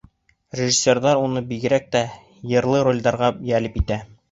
Режиссерҙар уны бигерәк тә йырлы ролдәргә йәлеп итә.